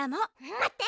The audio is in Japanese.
まって！